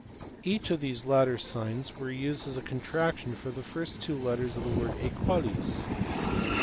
Either of these latter signs was used as a contraction for the first two letters of the word aequalis.